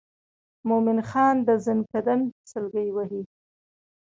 مومن خان د زکندن سګلې وهي.